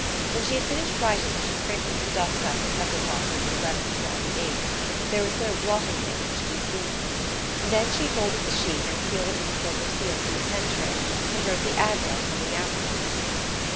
When she had finished writing she sprinkled some dust out of the pepper pot over the letter to dry the ink. There was no blotting paper to be seen. Then she folded the sheet, and sealed it with a silver seal from the pen tray, and wrote the address on the outside.